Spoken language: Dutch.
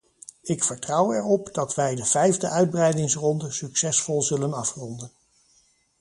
Ik vertrouw er op dat wij de vijfde uitbreidingsronde succesvol zullen kunnen afronden.